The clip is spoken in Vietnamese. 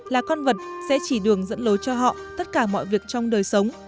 là con vật sẽ chỉ đường dẫn lối cho họ tất cả mọi việc trong đời sống